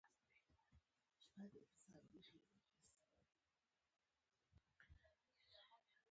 د پوځ مشران او عسکر ووژل شول.